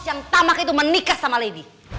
yang tamak itu menikah sama lady